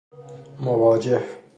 مواجه